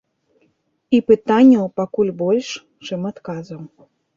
І пытанняў пакуль больш, чым адказаў.